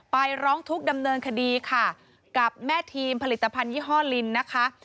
ร้องทุกข์ดำเนินคดีค่ะกับแม่ทีมผลิตภัณฑ์ยี่ห้อลินนะคะ